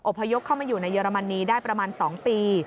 พยพเข้ามาอยู่ในเยอรมนีได้ประมาณ๒ปี